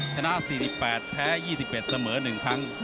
ชนะ๔๘แพ้๒๑เสมอ๑ครั้ง